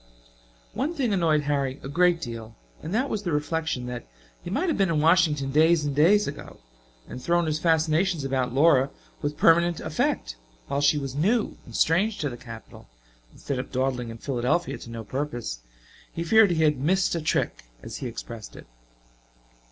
One thing annoyed Harry a great deal; and that was the reflection that he might have been in Washington days and days ago and thrown his fascinations about Laura with permanent effect while she was new and strange to the capital, instead of dawdling in Philadelphia to no purpose. He feared he had "missed a trick," as he expressed it.